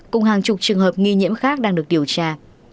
cùng hàng chục trường hợp nghi nhiễm khác đang được điều tra